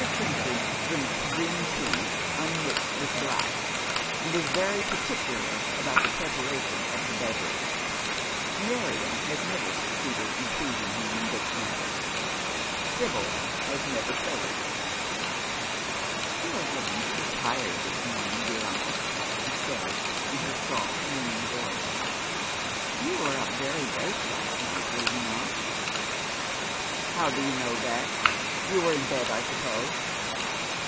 Trenchard drinks green tea un mixed w.th black, and is very particular about the preparation of the beverago, Marion has never succeeded in pleasing him in this matter. Sicyl has never failed. " You are looking so tired this morning, dear uncle !" she says, in her soft winning voice. " You were up very late last night, were you not ?"" How do you know that ? You wei <^ in bed, I suppose